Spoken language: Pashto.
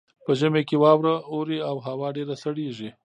په ژمي کې واوره اوري او هوا ډیره سړیږي